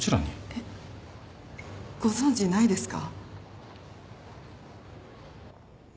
えっ？えっご存じないですか？